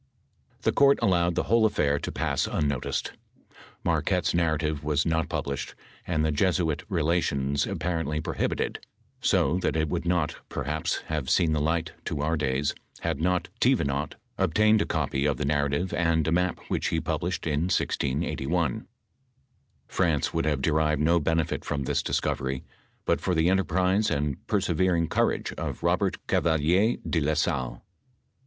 The court allovted the whole afiair to pass unnotlcfxl. Mar quette's narrative was not published, and the Jesuit Bolations apparently prohibited ; so that it would not, perhaps, have seen the light to our days, had not Thevenot obtained a copy of the narrative and a map which he published in 1681.* France would have derived no benefit from this discovery, but for the enterprise and persevering courage of Bobert Oavalier de la Salle.